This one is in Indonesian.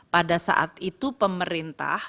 pada saat itu pemerintah